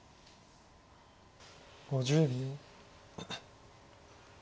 ５０秒。